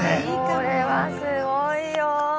これはすごいよ。